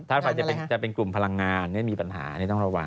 ท่าดฟัยจะเป็นกลุ่มพลังงานเนี่ยมีปัญหาเนี่ยต้องระวัง